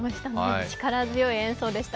力強い演奏でした。